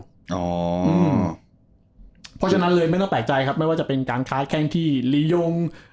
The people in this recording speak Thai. เพราะฉะนั้นเลยไม่ต้องแปลกใจครับไม่ว่าจะเป็นการค้าแข้งที่ลียง